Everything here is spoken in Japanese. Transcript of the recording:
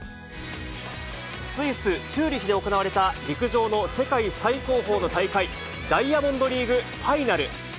スイス・チューリヒで行われた、陸上の世界最高峰の大会、ダイヤモンドリーグファイナル。